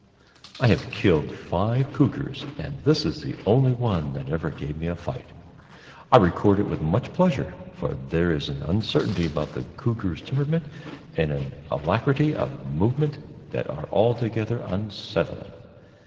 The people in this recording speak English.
I have killed five cougars, and this is the only one that ever gave me a fight. I record it with much pleasure, for there is an uncertainty about the cougar's temperament and an alacrity of movement that are altogether unsettling.